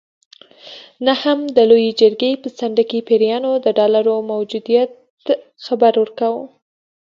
نه هم د لویې جرګې په څنډه کې پیریانو د ډالرو موجودیت خبر ورکاوه.